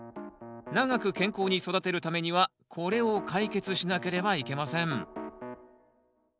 長く健康に育てるためにはこれを解決しなければいけません。